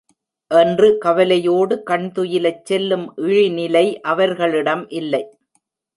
என்று கவலையோடு கண்துயிலச் செல்லும் இழிநிலை அவர்களிடம் இல்லை.